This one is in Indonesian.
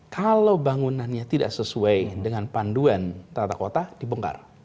kalau bangunannya tidak sesuai dengan panduan tata kota dibongkar